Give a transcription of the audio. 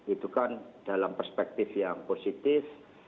itu kan dalam perspektif yang positif